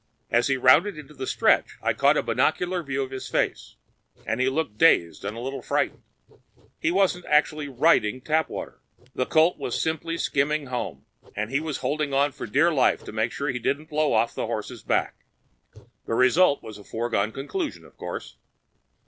As he rounded into the stretch I caught a binocular view of his face, and he looked dazed and a little frightened. He wasn't actually riding Tapwater. The colt was simply skimming home, and he was holding on for dear life to make sure he didn't blow off the horse's back. The result was a foregone conclusion, of course.